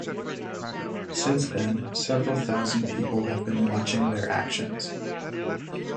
Since then, several thousand people have been watching their actions.